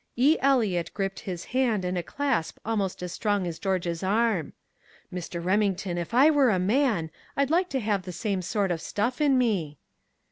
Eliot gripped his hand in a clasp almost as strong as George's arm. "Mr. Remington, if I were a man, I'd like to have the same sort of stuff in me."